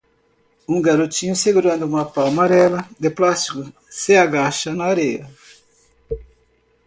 Um garotinho segurando uma pá amarela de plástico?? se agacha na areia.